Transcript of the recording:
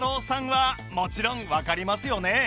さんはもちろんわかりますよね？